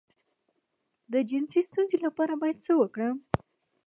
د جنسي ستونزې لپاره باید څه وکړم؟